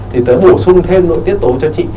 thì tôi bổ sung thêm nội tiết tố cho chị